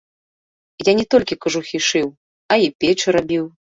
Я не толькі кажухі шыў, а і печы рабіў.